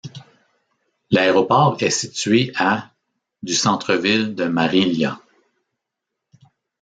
L'aéroport est situé à du centre-ville de Marília.